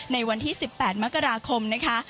ในวันที่๑๘มกราคมนะคะ